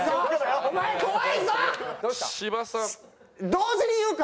同時に言うか？